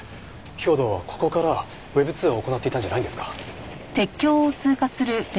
兵働はここからＷｅｂ通話を行っていたんじゃないんですか？